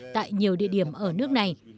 tại nhiều địa điểm ở nước này